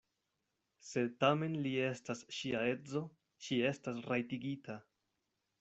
Se tamen li estas ŝia edzo, ŝi estas rajtigita.